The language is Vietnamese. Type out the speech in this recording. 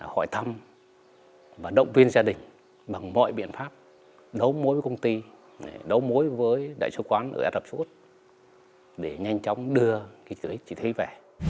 hỏi thăm và động viên gia đình bằng mọi biện pháp đấu mối với công ty đấu mối với đại sứ quán ở ả rập châu úi để nhanh chóng đưa chị thúy về